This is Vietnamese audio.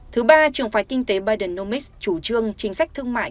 thứ ba trường phái kinh tế bidenomics chủ trương chính sách thương mại